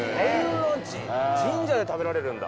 神社で食べられるんだ？